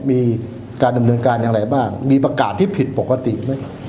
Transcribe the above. มีการดำเนินการอย่างไรบ้างมีประกาศที่ผิดปกติไหม